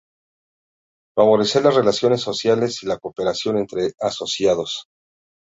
Favorecer las relaciones sociales y la cooperación entre asociados.